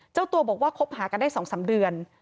เจ้าตัวบอกว่าคบหากันได้๒๓เดือน